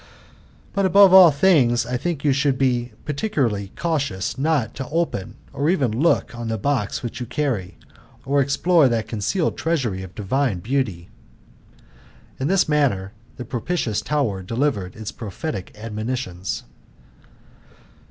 But, above all things, I think you should particularly be cautious not to open or even look on the box which you carry, or explore that concealed treasury of divine beauty." In this manner the propitious tower delivered its prophetic admonitions.